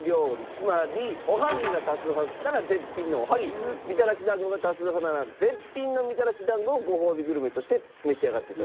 つまりおはぎが多数派だったら絶品のおはぎみたらし団子が多数派なら絶品のみたらし団子をごほうびグルメとして召し上がって頂きます。